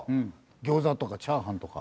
餃子とかチャーハンとか。